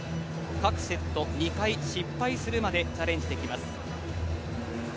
各セット２回、失敗するまでチャレンジできます。